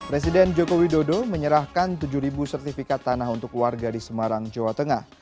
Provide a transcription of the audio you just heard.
presiden joko widodo menyerahkan tujuh sertifikat tanah untuk warga di semarang jawa tengah